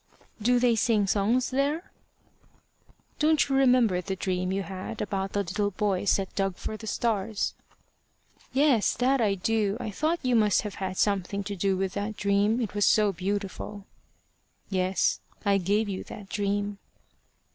"Do they sing songs there?" "Don't you remember the dream you had about the little boys that dug for the stars?" "Yes, that I do. I thought you must have had something to do with that dream, it was so beautiful." "Yes; I gave you that dream."